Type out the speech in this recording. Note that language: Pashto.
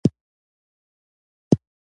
دې کار د هغه پر روح پیاوړی اغېز پرېښود